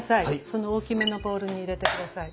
その大きめのボウルに入れて下さい。